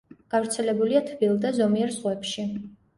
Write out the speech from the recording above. გავრცელებულია თბილ და ზომიერ ზღვებში.